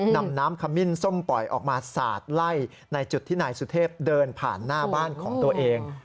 นำน้ำขมิ้นส้มปล่อยออกมาสาดไล่ในจุดที่นายสุเทพเดินผ่านหน้าบ้านของตัวเอง